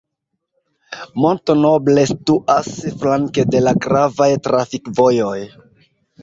Mont-Noble situas flanke de la gravaj trafikvojoj.